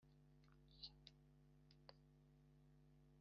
Intambara yavutse i muhira.